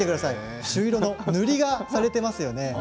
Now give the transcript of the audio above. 朱色の塗りがされていますよね。